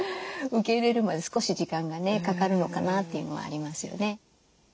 受け入れるまで少し時間がねかかるのかなっていうのはありますよね。